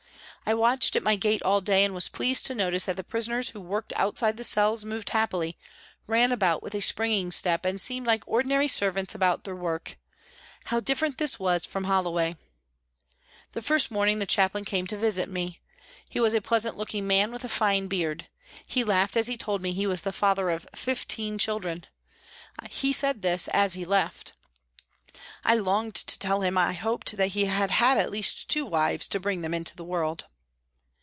I watched at my gate all day, and was pleased to notice that the prisoners who worked outside the cells moved happily, ran about with a springing step and seemed like ordinary servants about their work. How different this was from Holloway ! The first morning the Chaplain came to visit me. He was a pleasant looking man, with a fine beard. He laughed as he told me he was the father of 230 PRISONS AND PRISONERS fifteen children; he said this as he left. I longed to tell him I hoped that he had had at least two wives to bring them into the world